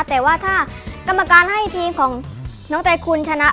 แต่ว่าถ้ากรรมการให้ทีมของน้องไตรคุณชนะ